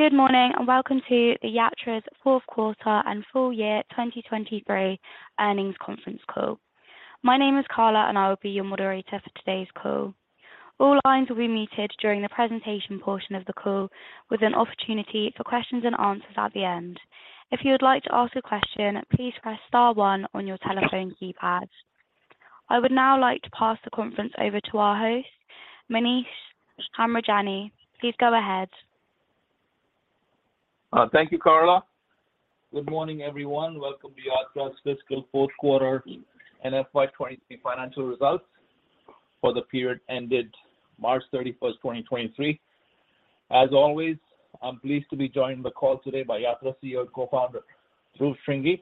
Good morning. Welcome to the Yatra's fourth quarter and full year 2023 earnings conference call. My name is Carla. I will be your moderator for today's call. All lines will be muted during the presentation portion of the call, with an opportunity for questions and answers at the end. If you would like to ask a question, please press star one on your telephone keypad. I would now like to pass the conference over to our host, Manish Hemrajani. Please go ahead. Thank you, Carla. Good morning, everyone. Welcome to Yatra's fiscal fourth quarter and FY 2023 financial results for the period ended March 31st, 2023. As always, I'm pleased to be joined on the call today by Yatra CEO and co-founder, Dhruv Shringi,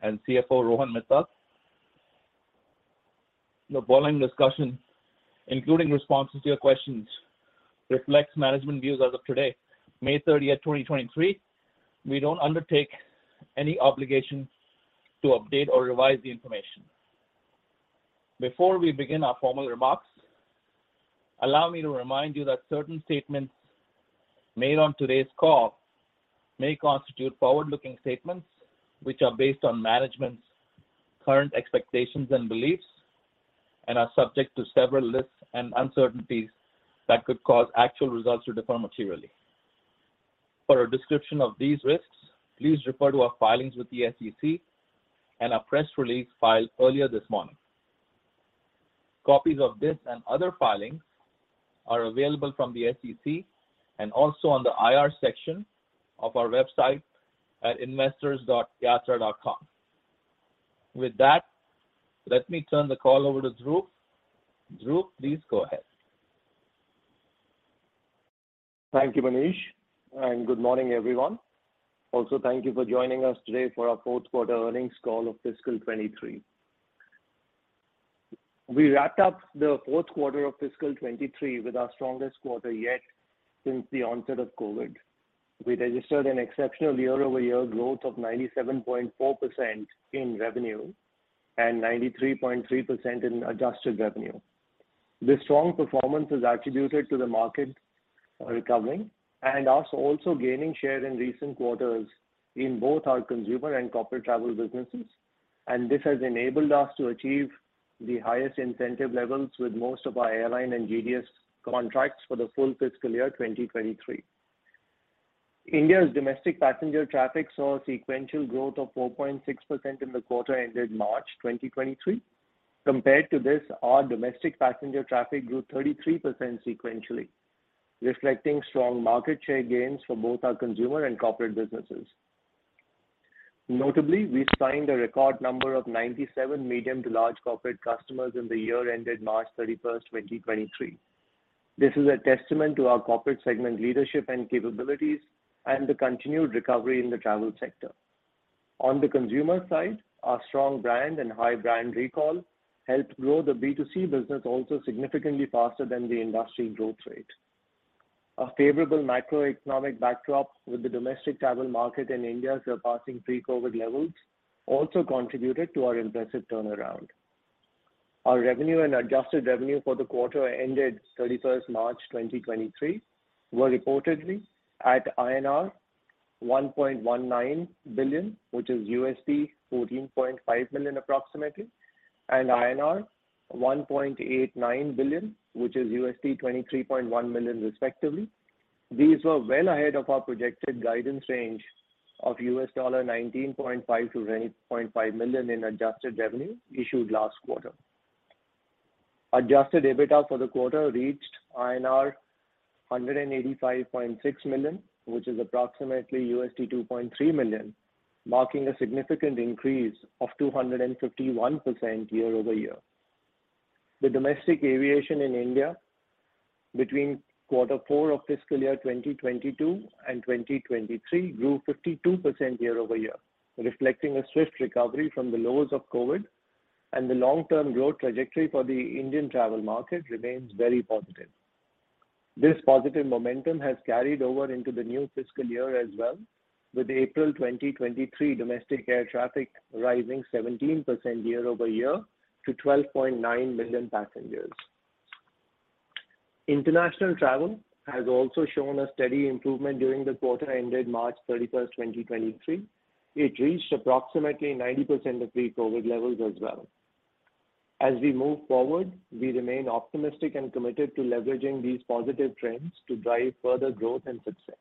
and CFO, Rohan Mittal. The following discussion, including responses to your questions, reflects management views as of today, May 30th, 2023. We don't undertake any obligation to update or revise the information. Before we begin our formal remarks, allow me to remind you that certain statements made on today's call may constitute forward-looking statements, which are based on management's current expectations and beliefs and are subject to several risks and uncertainties that could cause actual results to differ materially. For a description of these risks, please refer to our filings with the SEC and our press release filed earlier this morning. Copies of this and other filings are available from the SEC and also on the IR section of our website at investors.yatra.com. With that, let me turn the call over to Dhruv. Dhruv, please go ahead. Thank you, Manish, and good morning, everyone. Thank you for joining us today for our fourth quarter earnings call of fiscal 2023. We wrapped up the fourth quarter of fiscal 2023 with our strongest quarter yet since the onset of COVID. We registered an exceptional year-over-year growth of 97.4% in revenue and 93.3% in adjusted revenue. This strong performance is attributed to the market recovering and us also gaining share in recent quarters in both our consumer and corporate travel businesses, and this has enabled us to achieve the highest incentive levels with most of our airline and GDS contracts for the full fiscal year 2023. India's domestic passenger traffic saw a sequential growth of 4.6% in the quarter ended March 2023. Compared to this, our domestic passenger traffic grew 33% sequentially, reflecting strong market share gains for both our consumer and corporate businesses. Notably, we signed a record number of 97 medium to large corporate customers in the year ended March 31st, 2023. This is a testament to our corporate segment leadership and capabilities and the continued recovery in the travel sector. On the consumer side, our strong brand and high brand recall helped grow the B2C business also significantly faster than the industry growth rate. A favorable macroeconomic backdrop with the domestic travel market in India surpassing pre-COVID levels also contributed to our impressive turnaround. Our revenue and adjusted revenue for the quarter ended 31st March 2023, were reportedly at INR 1.19 billion, which is $14.5 million approximately, and INR 1.89 billion, which is $23.1 million respectively. These were well ahead of our projected guidance range of $19.5 million-$20.5 million in adjusted revenue issued quarter. Adjusted EBITDA for the quarter reached INR 185.6 million, which is approximately $2.3 million, marking a significant increase of 251% year-over-year. The domestic aviation in India between quarter four of fiscal year 2022 and 2023 grew 52% year-over-year, reflecting a swift recovery from the lows of COVID. The long-term growth trajectory for the Indian travel market remains very positive. This positive momentum has carried over into the new fiscal year as well, with April 2023 domestic air traffic rising 17% year-over-year to 12.9 million passengers. International travel has also shown a steady improvement during the quarter ended March 31, 2023. It reached approximately 90% of pre-COVID levels as well. As we move forward, we remain optimistic and committed to leveraging these positive trends to drive further growth and success.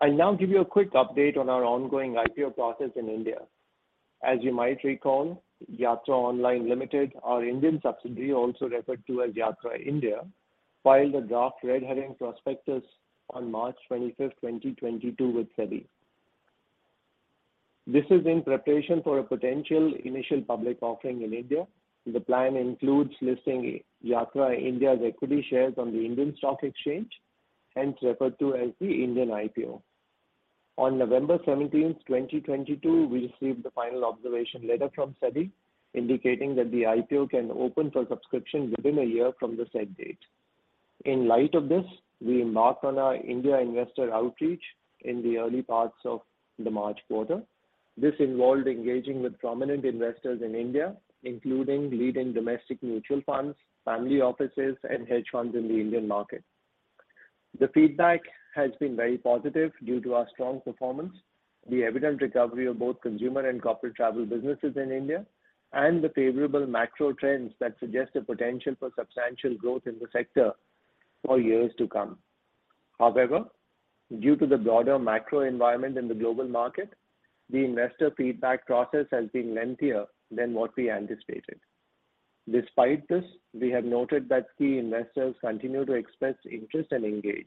I'll now give you a quick update on our ongoing IPO process in India. As you might recall, Yatra Online Limited, our Indian subsidiary, also referred to as Yatra India, filed a draft red herring prospectus on March 25th, 2022 with SEBI. This is in preparation for a potential initial public offering in India. The plan includes listing Yatra India's equity shares on the Indian stock exchange and referred to as the Indian IPO. On November 17th, 2022, we received the final observation letter from SEBI, indicating that the IPO can open for subscription within a year from the said date. In light of this, we marked on our India investor outreach in the early parts of the March quarter.... This involved engaging with prominent investors in India, including leading domestic mutual funds, family offices, and hedge funds in the Indian market. The feedback has been very positive due to our strong performance, the evident recovery of both consumer and corporate travel businesses in India, and the favorable macro trends that suggest a potential for substantial growth in the sector for years to come. However, due to the broader macro environment in the global market, the investor feedback process has been lengthier than what we anticipated. Despite this, we have noted that key investors continue to express interest and engage.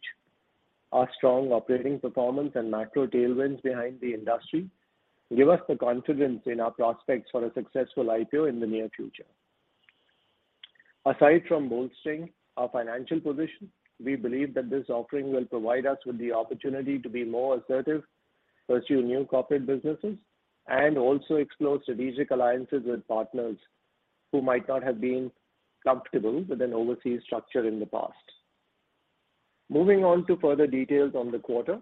Our strong operating performance and macro tailwinds behind the industry give us the confidence in our prospects for a successful IPO in the near future. Aside from bolstering our financial position, we believe that this offering will provide us with the opportunity to be more assertive, pursue new corporate businesses, and also explore strategic alliances with partners who might not have been comfortable with an overseas structure in the past. Moving on to further details on the quarter.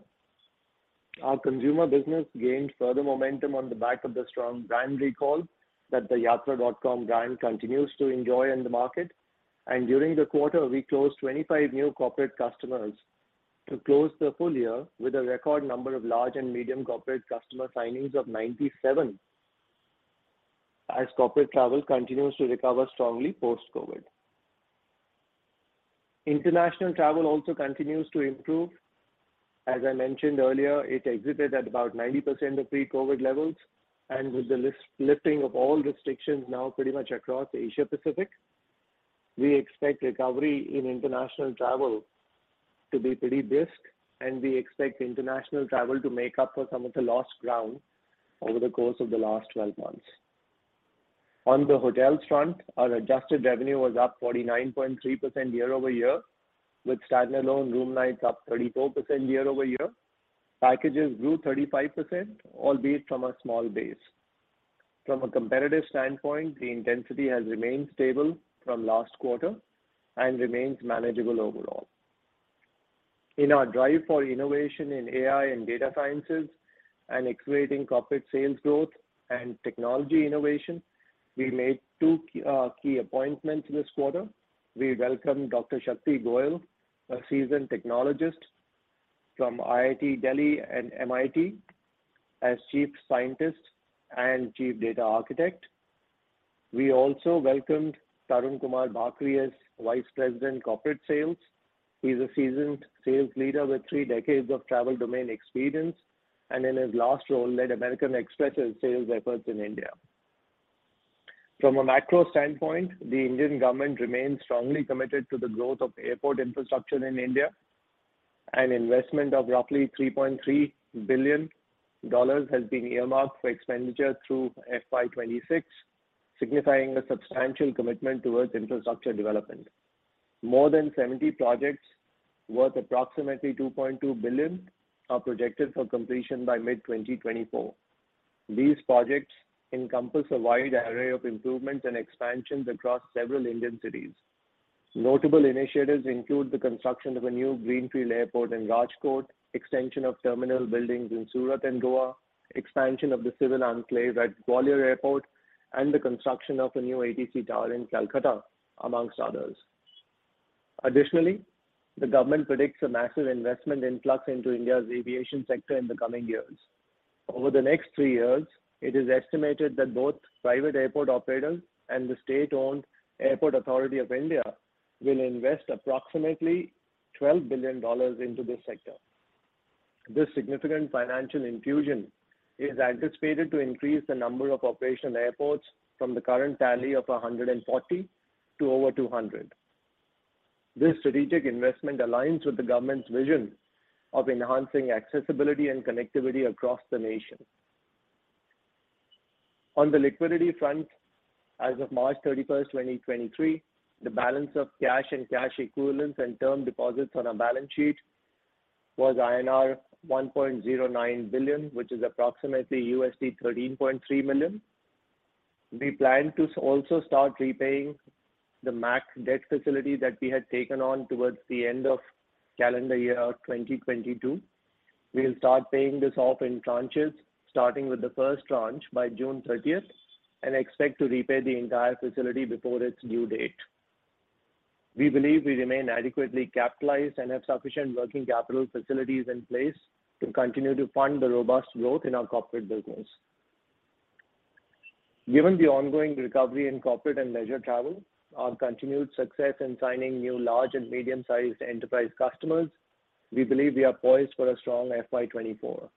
Our consumer business gained further momentum on the back of the strong brand recall that the yatra.com brand continues to enjoy in the market. During the quarter, we closed 25 new corporate customers to close the full year with a record number of large and medium corporate customer signings of 97, as corporate travel continues to recover strongly post-COVID. International travel also continues to improve. As I mentioned earlier, it exited at about 90% of pre-Covid levels, and with the lifting of all restrictions now pretty much across Asia Pacific, we expect recovery in international travel to be pretty brisk, and we expect international travel to make up for some of the lost ground over the course of the last 12 months. On the hotel front, our adjusted revenue was up 49.3% year-over-year, with standalone room nights up 34% year-over-year. Packages grew 35%, albeit from a small base. From a competitive standpoint, the intensity has remained stable from last quarter and remains manageable overall. In our drive for innovation in AI and data sciences and accelerating corporate sales growth and technology innovation, we made two key appointments this quarter. We welcomed Dr. Shakti Goel, a seasoned technologist from IIT Delhi and MIT, as Chief Scientist and Chief Data Architect. We also welcomed Tarun Kumar Bhakri as Vice President, Corporate Sales. He's a seasoned sales leader with three decades of travel domain experience, and in his last role, led American Express's sales efforts in India. From a macro standpoint, the Indian government remains strongly committed to the growth of airport infrastructure in India. An investment of roughly $3.3 billion has been earmarked for expenditure through FY 2026, signifying a substantial commitment towards infrastructure development. More than 70 projects, worth approximately $2.2 billion, are projected for completion by mid-2024. These projects encompass a wide array of improvements and expansions across several Indian cities. Notable initiatives include the construction of a new greenfield airport in Rajkot, extension of terminal buildings in Surat and Goa, expansion of the civil enclave at Gwalior Airport, and the construction of a new ATC tower in Kolkata, amongst others. The government predicts a massive investment influx into India's aviation sector in the coming years. Over the next three years, it is estimated that both private airport operators and the state-owned Airports Authority of India will invest approximately $12 billion into this sector. This significant financial infusion is anticipated to increase the number of operational airports from the current tally of 140 to over 200. This strategic investment aligns with the government's vision of enhancing accessibility and connectivity across the nation. On the liquidity front, as of March 31, 2023, the balance of cash and cash equivalents and term deposits on our balance sheet was INR 1.09 billion, which is approximately $13.3 million. We plan to also start repaying the MAK debt facility that we had taken on towards the end of calendar year 2022. We'll start paying this off in tranches, starting with the first tranche by June 30, and expect to repay the entire facility before its due date. We believe we remain adequately capitalized and have sufficient working capital facilities in place to continue to fund the robust growth in our corporate business. Given the ongoing recovery in corporate and leisure travel, our continued success in signing new large and medium-sized enterprise customers, we believe we are poised for a strong FY 2024.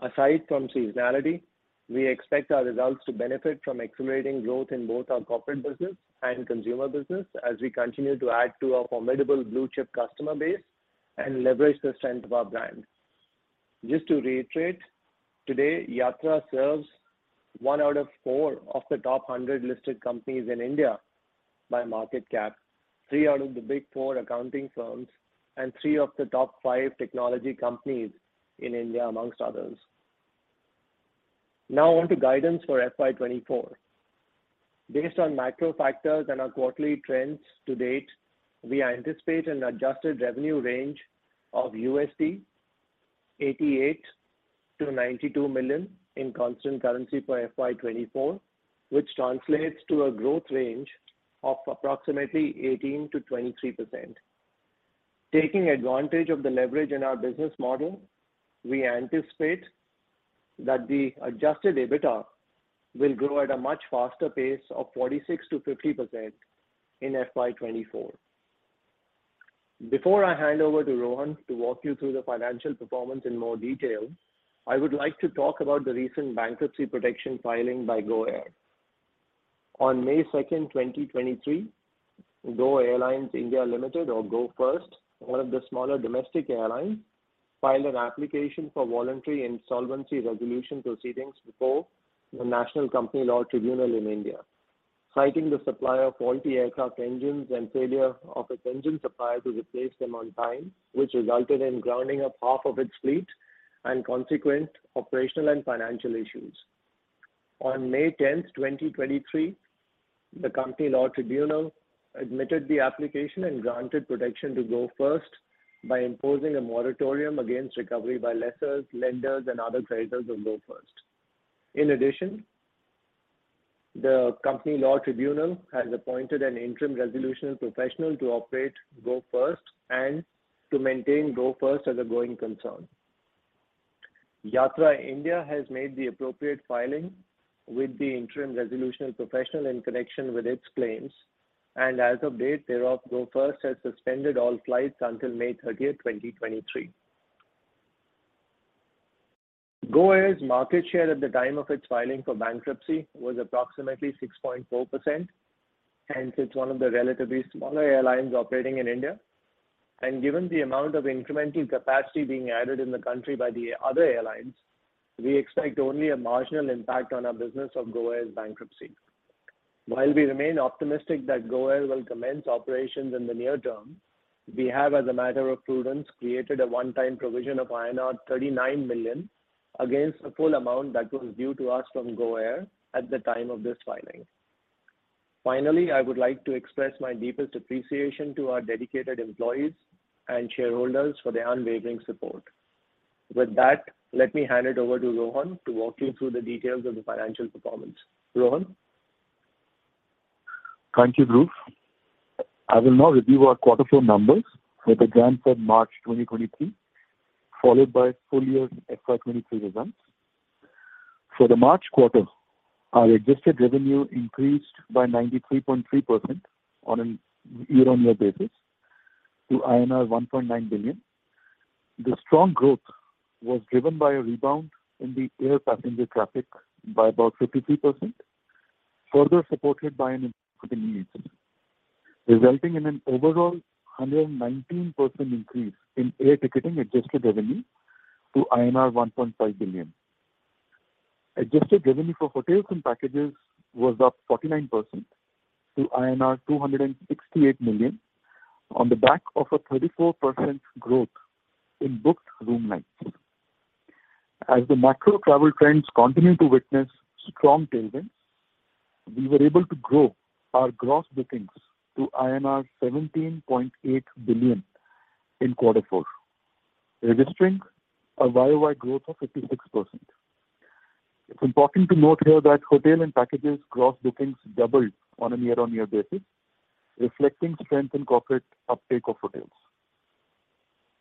Aside from seasonality, we expect our results to benefit from accelerating growth in both our corporate business and consumer business as we continue to add to our formidable blue-chip customer base and leverage the strength of our brand. Just to reiterate, today, Yatra serves 1 out of 4 of the top 100 listed companies in India by market cap, three out of the Big Four accounting firms, and three of the top five technology companies in India, amongst others. On to guidance for FY 2024. Based on macro factors and our quarterly trends to date, we anticipate an adjusted revenue range of $88 million-$92 million in constant currency for FY 2024, which translates to a growth range of approximately 18%-23%. Taking advantage of the leverage in our business model, we anticipate that the adjusted EBITDA will grow at a much faster pace of 46%-50% in FY 2024. Before I hand over to Rohan to walk you through the financial performance in more detail, I would like to talk about the recent bankruptcy protection filing by GoAir. On May 2, 2023, Go Airlines (India) Limited, or Go First, one of the smaller domestic airlines, filed an application for voluntary insolvency resolution proceedings before the National Company Law Tribunal in India, citing the supply of faulty aircraft engines and failure of its engine supplier to replace them on time, which resulted in grounding of half of its fleet and consequent operational and financial issues. On May tenth, 2023, the Company Law Tribunal admitted the application and granted protection to Go First by imposing a moratorium against recovery by lessors, lenders, and other creditors of Go First. In addition, the Company Law Tribunal has appointed an interim resolution professional to operate Go First and to maintain Go First as a going concern. Yatra India has made the appropriate filing with the interim resolution professional in connection with its claims, and as of date thereof, Go First has suspended all flights until May 13th, 2023. GoAir's market share at the time of its filing for bankruptcy was approximately 6.4%, hence it's one of the relatively smaller airlines operating in India. Given the amount of incremental capacity being added in the country by the other airlines, we expect only a marginal impact on our business of GoAir's bankruptcy. While we remain optimistic that GoAir will commence operations in the near term, we have, as a matter of prudence, created a one-time provision of INR 39 million against the full amount that was due to us from GoAir at the time of this filing. Finally, I would like to express my deepest appreciation to our dedicated employees and shareholders for their unwavering support. With that, let me hand it over to Rohan to walk you through the details of the financial performance. Rohan? Thank you, Dhruv. I will now review our Q4 numbers with regard for March 2023, followed by full year FY 2023 results. For the March quarter, our adjusted revenue increased by 93.3% on a year-on-year basis to INR 1.9 billion. The strong growth was driven by a rebound in the air passenger traffic by about 53%, further supported by an increase, resulting in an overall 119% increase in air ticketing adjusted revenue to INR 1.5 billion. adjusted revenue for hotels and packages was up 49% to INR 268 million on the back of a 34% growth in booked room nights. As the macro travel trends continue to witness strong tailwinds, we were able to grow our gross bookings to INR 17.8 billion in Q4, registering a YOY growth of 56%. It's important to note here that hotel and packages gross bookings doubled on a year-on-year basis, reflecting strength in corporate uptake of hotels.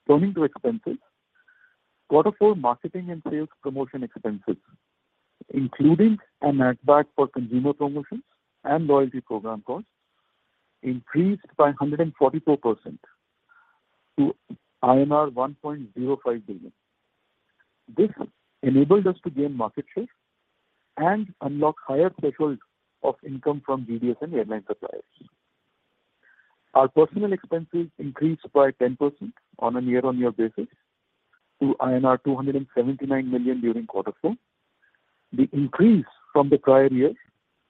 Turning to expenses, Q4 marketing and sales promotion expenses, including a matchback for consumer promotions and loyalty program costs, increased by 144% to INR 1.05 billion. This enabled us to gain market share and unlock higher thresholds of income from GDS and airline suppliers. Our personal expenses increased by 10% on a year-on-year basis to INR 279 million during Q4. The increase from the prior year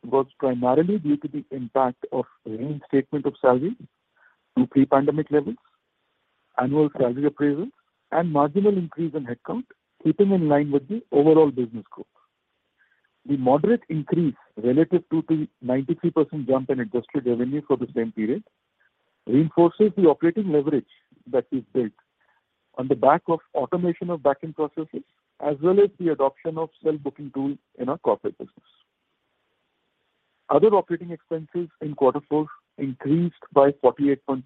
was primarily due to the impact of reinstatement of salary to pre-pandemic levels, annual salary appraisals, and marginal increase in headcount, keeping in line with the overall business growth. The moderate increase relative to the 93% jump in adjusted revenue for the same period reinforces the operating leverage that we've built on the back of automation of backend processes, as well as the adoption of self-booking tools in our corporate business. Other operating expenses in quarter four increased by 48.5%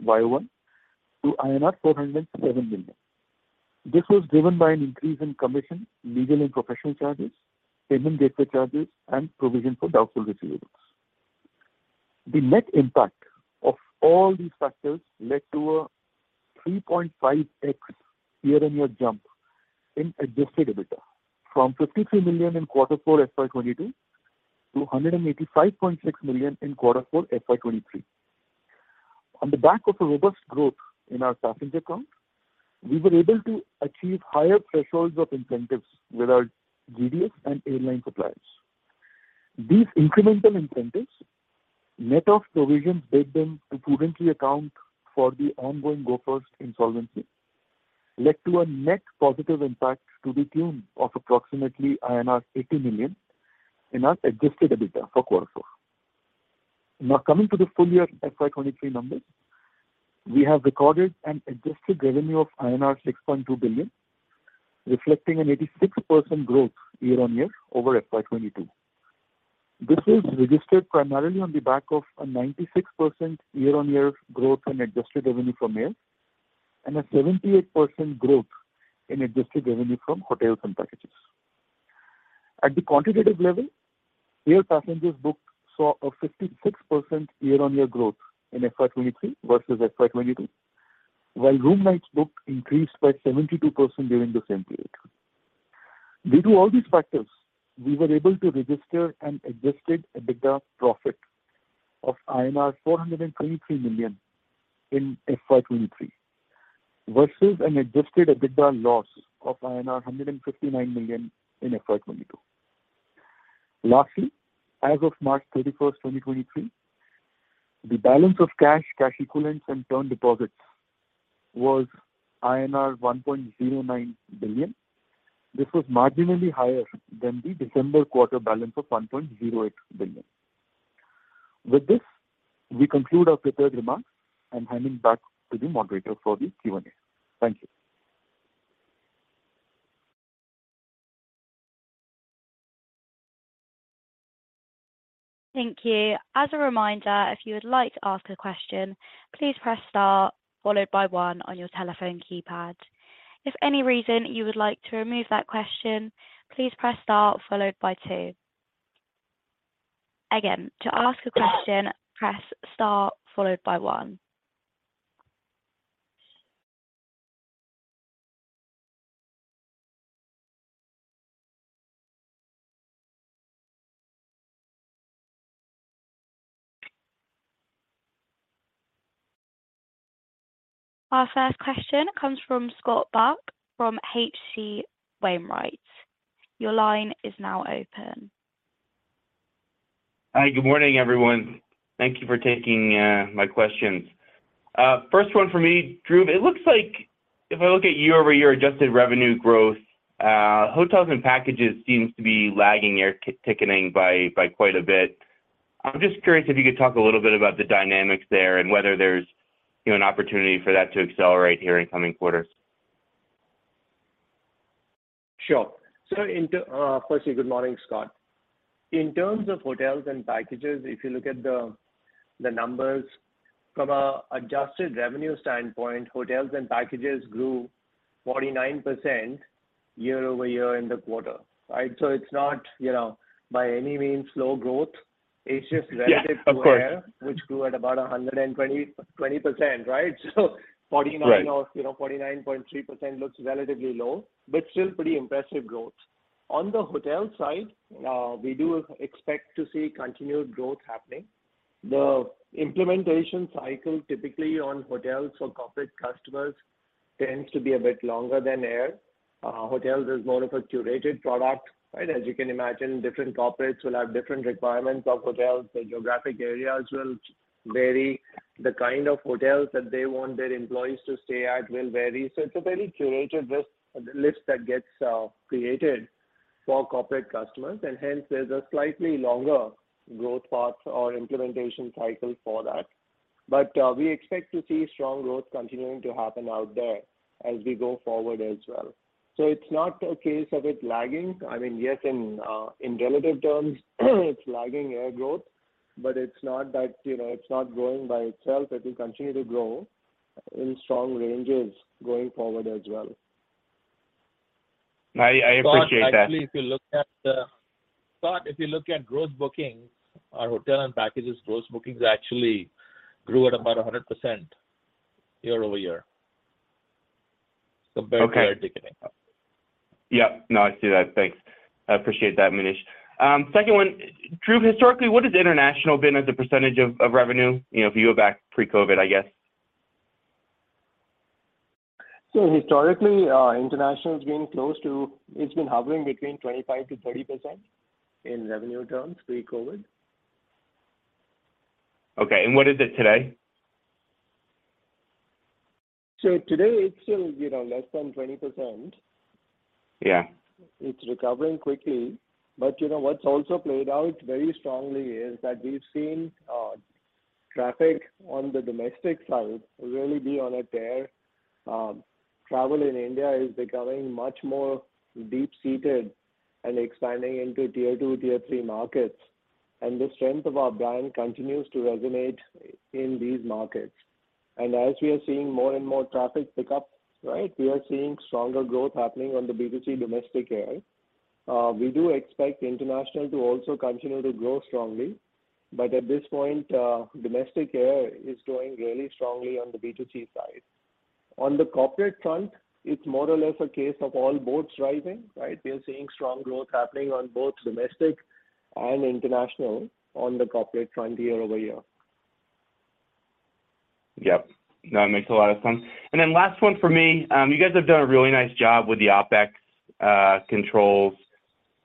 YOY to INR 407 million. This was driven by an increase in commission, legal and professional charges, payment gateway charges, and provision for doubtful receivables. The net impact of all these factors led to a 3.5x year-on-year jump in adjusted EBITDA from INR 53 million in Q4 FY 2022 to 185.6 million in Q4 FY 2023. On the back of a robust growth in our passenger count, we were able to achieve higher thresholds of incentives with our GDS and airline suppliers. These incremental incentives, net of provisions, made them to prudently account for the ongoing GoFirst insolvency. led to a net positive impact to the tune of approximately 80 million in our adjusted EBITDA for quarter four. Coming to the full year FY 2023 numbers, we have recorded an adjusted revenue of INR 6.2 billion, reflecting an 86% growth year-on-year over FY 2022. This is registered primarily on the back of a 96% year-on-year growth in adjusted revenue from air, and a 78% growth in adjusted revenue from hotels and packages. At the quantitative level, air passengers booked saw a 56% year-on-year growth in FY 2023 versus FY 2022, while room nights booked increased by 72% during the same period. Due to all these factors, we were able to register an adjusted EBITDA profit of INR 423 million in FY 2023, versus an adjusted EBITDA loss of INR 159 million in FY 2022. As of March 31, 2023, the balance of cash equivalents, and term deposits was INR 1.09 billion. This was marginally higher than the December quarter balance of 1.08 billion. With this, we conclude our prepared remarks. I'm handing back to the moderator for the Q&A. Thank you. Thank you. As a reminder, if you would like to ask a question, please press Star followed by 1 on your telephone keypad. If any reason you would like to remove that question, please press Star followed by 2. Again, to ask a question, press Star followed by 1. Our first question comes from Scott Buck from H.C. Wainwright. Your line is now open. Hi, good morning, everyone. Thank you for taking my questions. First one for me, Dhruv, it looks like if I look at year-over-year adjusted revenue growth, hotels and packages seems to be lagging air ticketing by quite a bit. I'm just curious if you could talk a little bit about the dynamics there and whether there's, you know, an opportunity for that to accelerate here in coming quarters. Sure. So firstly, good morning, Scott. In terms of hotels and packages, if you look at the numbers from a adjusted revenue standpoint, hotels and packages grew 49% year-over-year in the quarter, right? So it's not, you know, by any means, slow growth. Yeah, of course. to air, which grew at about 120%, right? 49- Right. You know, 49.3% looks relatively low, but still pretty impressive growth. On the hotel side, we do expect to see continued growth happening. The implementation cycle, typically on hotels for corporate customers, tends to be a bit longer than air. Hotels is more of a curated product, right? As you can imagine, different corporates will have different requirements of hotels. The geographic areas will vary. The kind of hotels that they want their employees to stay at will vary. It's a very curated list that gets created for corporate customers, and hence there's a slightly longer growth path or implementation cycle for that. We expect to see strong growth continuing to happen out there as we go forward as well. It's not a case of it lagging. I mean, yes, in relative terms, it's lagging air growth. It's not that, you know, it's not growing by itself. It will continue to grow in strong ranges going forward as well. I appreciate that. Actually, Scott, if you look at growth bookings, our hotel and packages growth bookings actually grew at about 100% year-over-year. Okay. Compared to air ticketing. Yep. No, I see that. Thanks. I appreciate that, Manish. Second one: Dhruv, historically, what has international been as a percentage of revenue? You know, if you go back pre-COVID, I guess. Historically, international has been hovering between 25%-30% in revenue terms, pre-COVID. Okay, what is it today? Today, it's still, you know, less than 20%. Yeah. It's recovering quickly. you know, what's also played out very strongly is that we've seen traffic on the domestic side really be on par. Travel in India is becoming much more deep-seated and expanding into tier 2, tier 3 markets, and the strength of our brand continues to resonate in these markets. As we are seeing more and more traffic pick up, right, we are seeing stronger growth happening on the B2C domestic air. We do expect international to also continue to grow strongly, at this point, domestic air is growing really strongly on the B2C side. On the corporate front, it's more or less a case of all boats rising, right? We are seeing strong growth happening on both domestic and international on the corporate front year-over-year. Yep, no, it makes a lot of sense. Last one for me. You guys have done a really nice job with the OpEx controls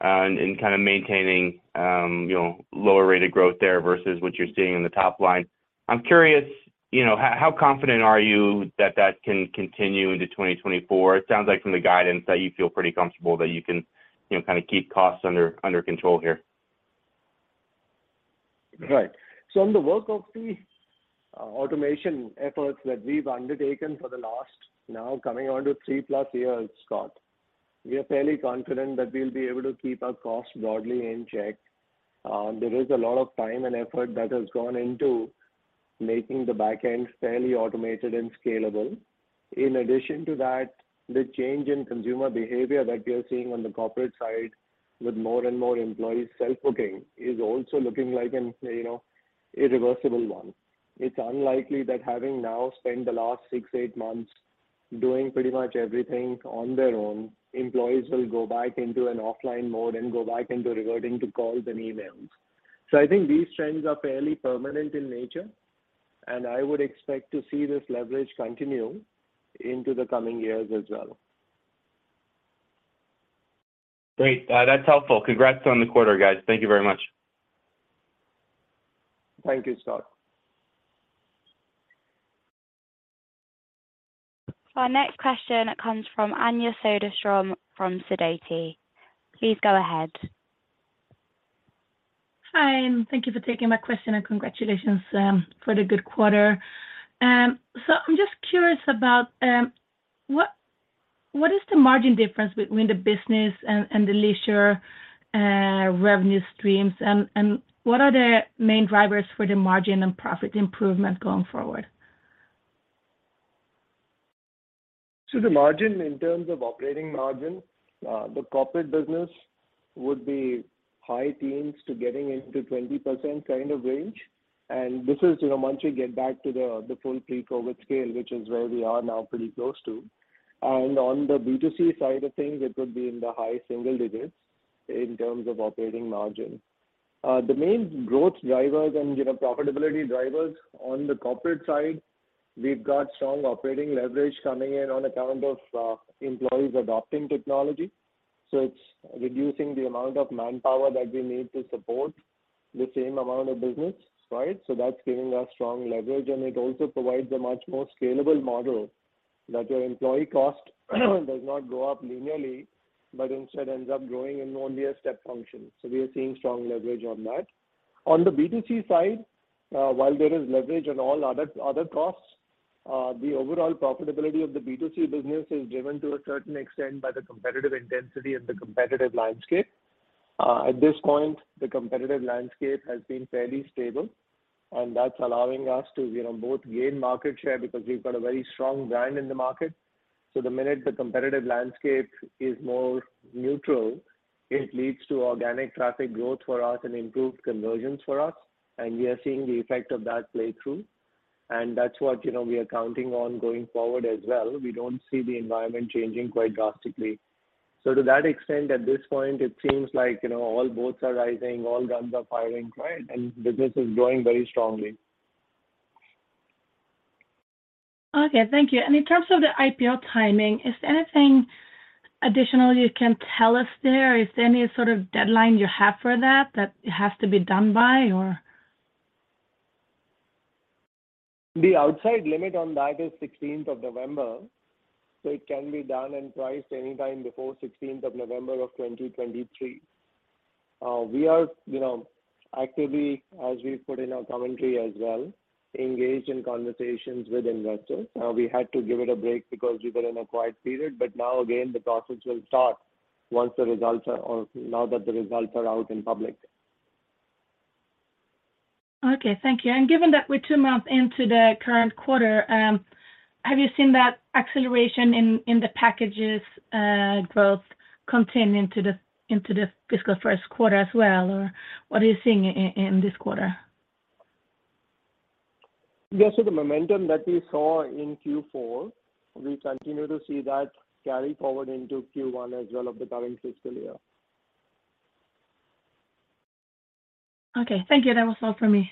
and kind of maintaining, you know, lower rate of growth there versus what you're seeing in the top line. I'm curious, you know, how confident are you that that can continue into 2024? It sounds like from the guidance that you feel pretty comfortable that you can, you know, kind of keep costs under control here. Right. On the work of the automation efforts that we've undertaken for the last, now coming on to 3+ years, Scott, we are fairly confident that we'll be able to keep our costs broadly in check. There is a lot of time and effort that has gone into making the back end fairly automated and scalable. In addition to that, the change in consumer behavior that we are seeing on the corporate side, with more and more employees self-booking, is also looking like an, you know, irreversible one. It's unlikely that having now spent the last six, eight months doing pretty much everything on their own, employees will go back into an offline mode and go back into reverting to calls and emails. I think these trends are fairly permanent in nature, and I would expect to see this leverage continue into the coming years as well. Great. That's helpful. Congrats on the quarter, guys. Thank you very much. Thank you, Scott. Our next question comes from Anja Soderstrom from Sidoti. Please go ahead. Hi. Thank you for taking my question, and congratulations for the good quarter. I'm just curious about what is the margin difference between the business and the leisure revenue streams? What are the main drivers for the margin and profit improvement going forward? The margin, in terms of operating margin, the corporate business would be high teens to getting into 20% kind of range. This is, you know, once we get back to the full pre-COVID scale, which is where we are now pretty close to. On the B2C side of things, it would be in the high single digits in terms of operating margin. The main growth drivers and, you know, profitability drivers on the corporate side, we've got strong operating leverage coming in on account of employees adopting technology. It's reducing the amount of manpower that we need to support the same amount of business, right? That's giving us strong leverage, and it also provides a much more scalable model that your employee cost does not go up linearly, but instead ends up growing in only a step function. We are seeing strong leverage on that. On the B2C side, while there is leverage on all other costs, the overall profitability of the B2C business is driven to a certain extent by the competitive intensity and the competitive landscape. At this point, the competitive landscape has been fairly stable, and that's allowing us to, you know, both gain market share because we've got a very strong brand in the market. The minute the competitive landscape is more neutral, it leads to organic traffic growth for us and improved conversions for us, and we are seeing the effect of that play through, and that's what, you know, we are counting on going forward as well. We don't see the environment changing quite drastically. To that extent, at this point, it seems like, you know, all boats are rising, all guns are firing, right? Business is growing very strongly. Okay, thank you. In terms of the IPO timing, is there anything additional you can tell us there? Is there any sort of deadline you have for that it has to be done by, or? The outside limit on that is 16th of November, so it can be done and priced anytime before 16th of November of 2023. We are, you know, actively, as we put in our commentary as well, engaged in conversations with investors. We had to give it a break because we were in a quiet period, but now again, the process will start now that the results are out in public. Okay, thank you. Given that we're two months into the current quarter, have you seen that acceleration in the packages, growth continue into the fiscal first quarter as well, or what are you seeing in this quarter? Yes, the momentum that we saw in Q4, we continue to see that carry forward into Q1 as well of the current fiscal year. Okay. Thank you. That was all for me.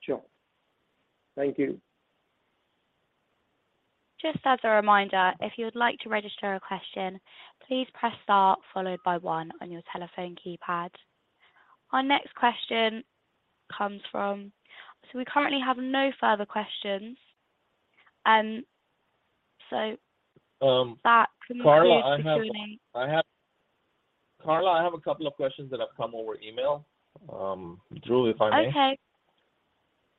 Sure. Thank you. Just as a reminder, if you would like to register a question, please press star followed by 1 on your telephone keypad. Our next question comes from... We currently have no further questions, so that concludes. Carla, I have a couple of questions that have come over email. It's Julie Fine. Okay.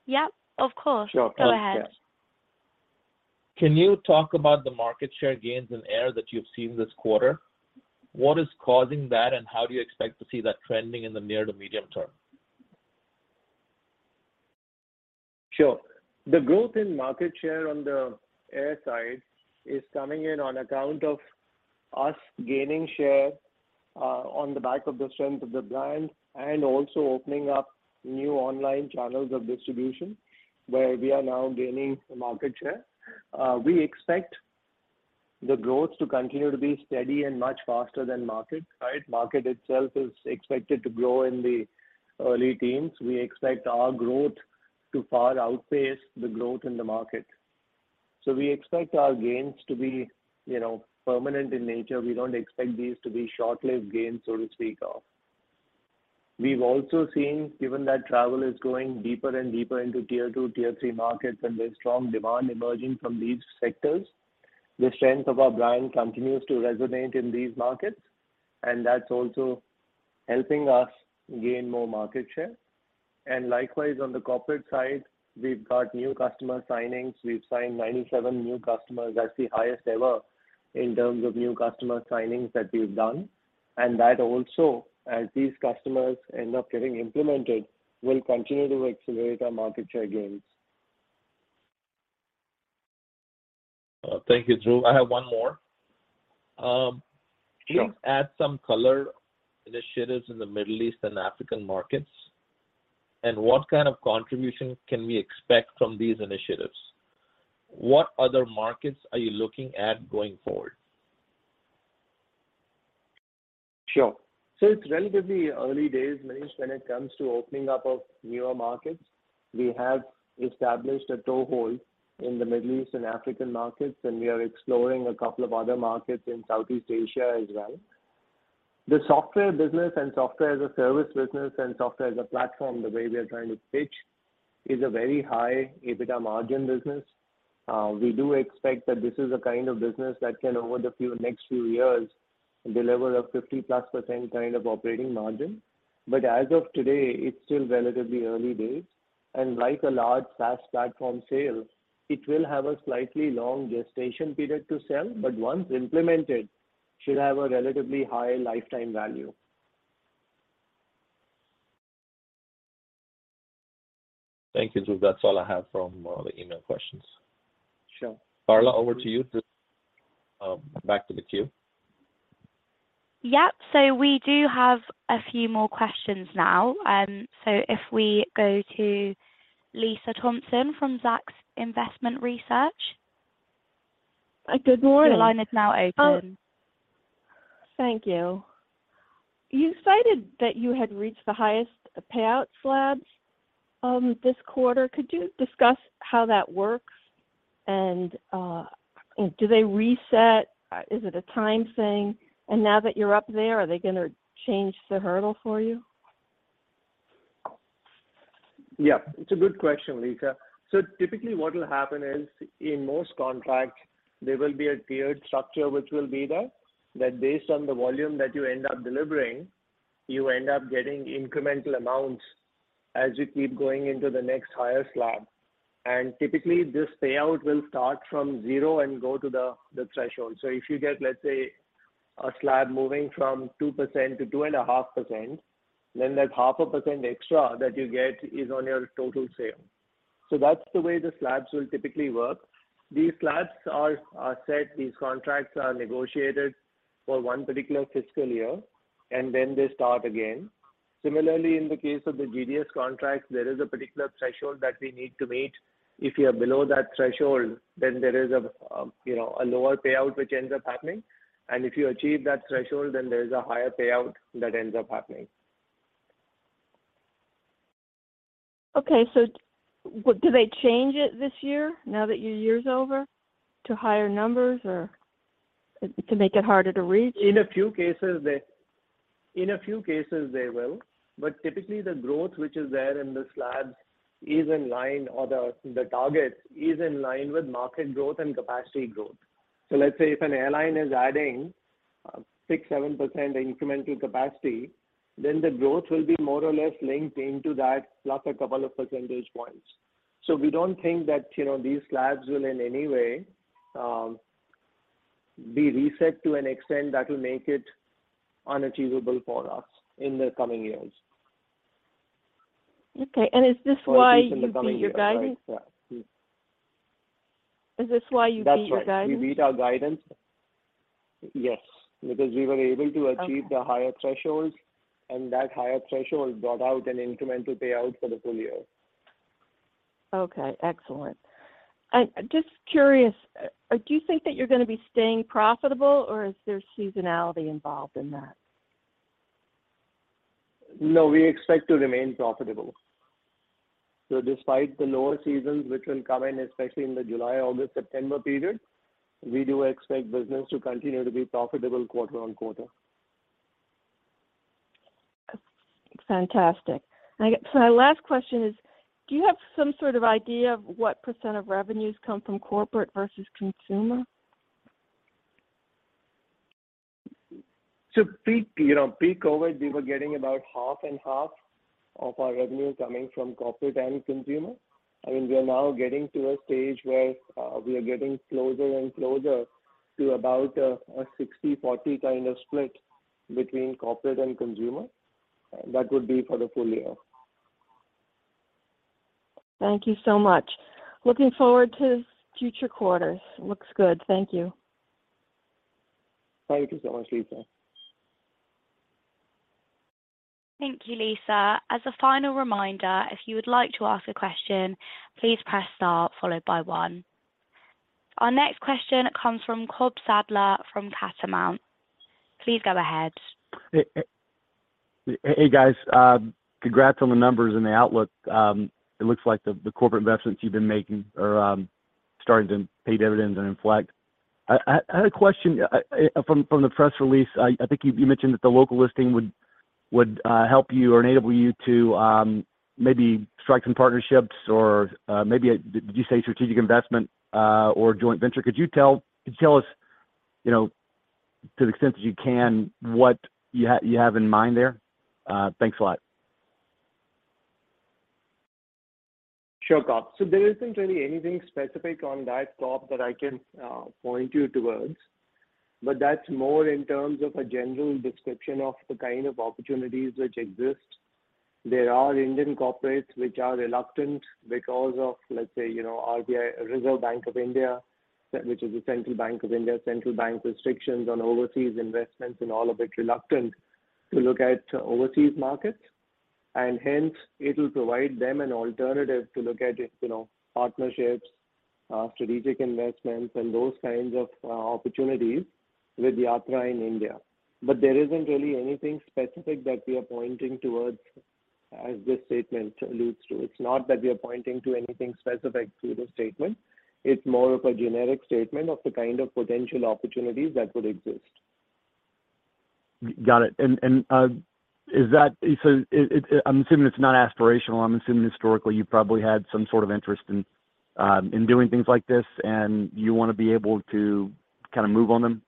Yep, of course. Sure. Go ahead. Can you talk about the market share gains in air that you've seen this quarter? What is causing that, and how do you expect to see that trending in the near to medium term? Sure. The growth in market share on the air side is coming in on account of us gaining share on the back of the strength of the brand and also opening up new online channels of distribution, where we are now gaining market share. We expect the growth to continue to be steady and much faster than market, right? Market itself is expected to grow in the early teens. We expect our growth to far outpace the growth in the market. We expect our gains to be, you know, permanent in nature. We don't expect these to be short-lived gains, so to speak, of. We've also seen, given that travel is going deeper and deeper into tier two, tier three markets, and there's strong demand emerging from these sectors, the strength of our brand continues to resonate in these markets, and that's also helping us gain more market share. Likewise, on the corporate side, we've got new customer signings. We've signed 97 new customers. That's the highest ever in terms of new customer signings that we've done, and that also, as these customers end up getting implemented, will continue to accelerate our market share gains. Thank you, Dhruv. I have one more. Sure. Can you add some color initiatives in the Middle East and African markets? What kind of contribution can we expect from these initiatives? What other markets are you looking at going forward? Sure. It's relatively early days, Manish, when it comes to opening up of newer markets. We have established a toehold in the Middle East and African markets, and we are exploring a couple of other markets in Southeast Asia as well. The software business and software-as-a-service business, and software-as-a-platform, the way we are trying to pitch, is a very high EBITDA margin business. We do expect that this is a kind of business that can, over the few, next few years, deliver a 50%+ kind of operating margin. As of today, it's still relatively early days, and like a large SaaS platform sale, it will have a slightly long gestation period to sell, but once implemented, should have a relatively high lifetime value. Thank you, Dhruv. That's all I have from the email questions. Sure. Carla, over to you to, back to the queue. Yep. We do have a few more questions now. If we go to Lisa Thompson from Zacks Investment Research. Good morning. The line is now open. Thank you. You cited that you had reached the highest payout slabs this quarter. Could you discuss how that works? Do they reset? Is it a time thing? Now that you're up there, are they gonna change the hurdle for you? Yeah, it's a good question, Lisa. Typically, what will happen is, in most contracts, there will be a tiered structure, which will be there, that based on the volume that you end up delivering, you end up getting incremental amounts as you keep going into the next higher slab. Typically, this payout will start from zero and go to the threshold. If you get, let's say, a slab moving from 2% to 2.5%, then that 0.5% extra that you get is on your total sale. That's the way the slabs will typically work. These slabs are set, these contracts are negotiated for one particular fiscal year, then they start again. Similarly, in the case of the GDS contracts, there is a particular threshold that we need to meet. If you are below that threshold, then there is a, you know, a lower payout which ends up happening, and if you achieve that threshold, then there is a higher payout that ends up happening. Okay. Do they change it this year, now that your year's over, to higher numbers, or to make it harder to reach? In a few cases, they will, but typically the growth which is there in the slab is in line, or the target is in line with market growth and capacity growth. Let's say if an airline is adding 6%, 7% incremental capacity, then the growth will be more or less linked into that, plus a couple of percentage points. We don't think that, you know, these slabs will in any way be reset to an extent that will make it unachievable for us in the coming years. Okay. is this why. In the coming year. you beat your guidance? Yeah. Is this why you beat your guidance? That's right. We beat our guidance. Yes, because we were able to. Okay... the higher thresholds, and that higher threshold brought out an incremental payout for the full year. Okay. Excellent. I'm just curious, do you think that you're gonna be staying profitable, or is there seasonality involved in that? No, we expect to remain profitable. Despite the lower seasons, which will come in, especially in the July, August, September period, we do expect business to continue to be profitable quarter on quarter. Fantastic. My last question is, do you have some sort of idea of what % of revenues come from corporate versus consumer? Peak, you know, peak COVID, we were getting about half and half of our revenue coming from corporate and consumer. I mean, we are now getting to a stage where we are getting closer and closer to about a 60/40 kind of split between corporate and consumer. That would be for the full year. Thank you so much. Looking forward to future quarters. Looks good. Thank you. Thank you so much, Lisa. Thank you, Lisa. As a final reminder, if you would like to ask a question, please press star followed by one. Our next question comes from Cobb Sadler from Catamount. Please go ahead. Hey, guys. Congrats on the numbers and the outlook. It looks like the corporate investments you've been making are starting to pay dividends and inflect. I had a question from the press release. I think you mentioned that the local listing would help you or enable you to maybe strike some partnerships or maybe, did you say strategic investment or joint venture? Could you tell us, you know, to the extent that you can, what you have in mind there? Thanks a lot. Sure, Cobb. There isn't really anything specific on that, Cobb, that I can point you towards, but that's more in terms of a general description of the kind of opportunities which exist. There are Indian corporates which are reluctant because of, let's say, you know, RBI, Reserve Bank of India, which is the Central Bank of India, Central Bank restrictions on overseas investments and all of it reluctant to look at overseas markets. Hence, it will provide them an alternative to look at, you know, partnerships, strategic investments, and those kinds of opportunities with Yatra in India. There isn't really anything specific that we are pointing towards as this statement alludes to. It's not that we are pointing to anything specific through the statement. It's more of a generic statement of the kind of potential opportunities that would exist. Got it. I'm assuming it's not aspirational. I'm assuming historically, you probably had some sort of interest in doing things like this, and you want to be able to kind of move on them.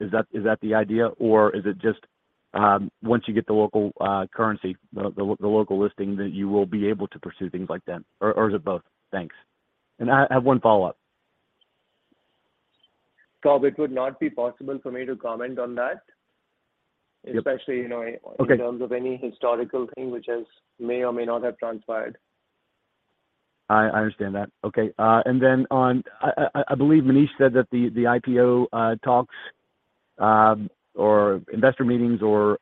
Is that the idea? Or is it just, once you get the local currency, the local listing, that you will be able to pursue things like that, or is it both? Thanks. I have one follow-up. Cobb, it would not be possible for me to comment on that. Yep. Okay. You know, in terms of any historical thing which has may or may not have transpired. I understand that. Okay, and then on I believe Manish said that the IPO talks or investor meetings or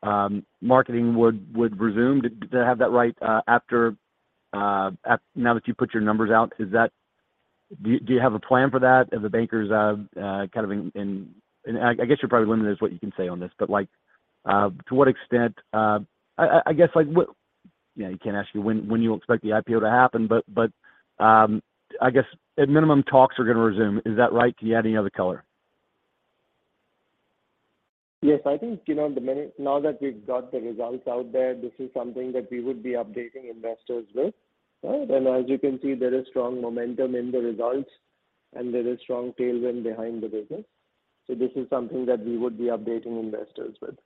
marketing would resume. Do I have that right after now that you've put your numbers out, is that do you have a plan for that? Do the bankers kind of in... I guess you're probably limited is what you can say on this, but, like, to what extent, I guess, like, You know, I can't ask you when you expect the IPO to happen, but I guess at minimum, talks are going to resume. Is that right? Can you add any other color? Yes, I think, you know, now that we've got the results out there, this is something that we would be updating investors with, right? As you can see, there is strong momentum in the results, and there is strong tailwind behind the business. This is something that we would be updating investors with.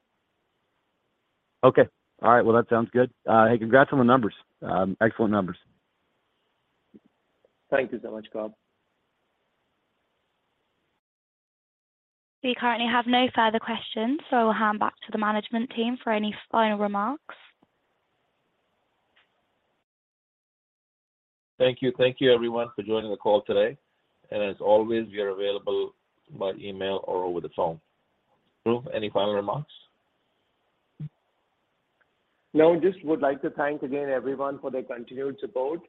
Okay. All right. Well, that sounds good. Hey, congrats on the numbers. Excellent numbers. Thank you so much, Cobb. We currently have no further questions, so I'll hand back to the management team for any final remarks. Thank you. Thank you, everyone, for joining the call today, and as always, we are available by email or over the phone. Dhruv, any final remarks? Just would like to thank again, everyone, for their continued support.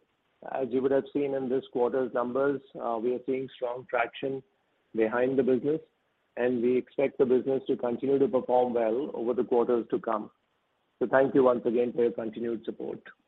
As you would have seen in this quarter's numbers, we are seeing strong traction behind the business, and we expect the business to continue to perform well over the quarters to come. Thank you once again for your continued support.